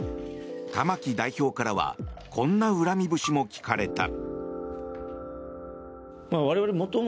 玉木代表からはこんな恨み節も聞かれた。